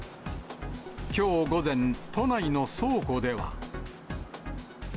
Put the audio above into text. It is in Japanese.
きょう午前、都内の倉庫では。